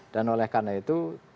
dan oleh karena itu